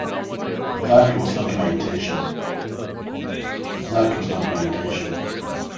That was not my intention.